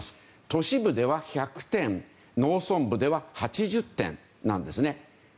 都市部では１００点農村部では８０点なんですね。